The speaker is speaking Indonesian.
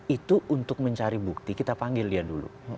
itu untuk mencari bukti kita panggil dia dulu